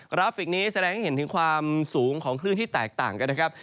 ราฟิกนี้แสดงให้เห็นถึงความสูงของคลื่นที่แตกต่างกันนะครับ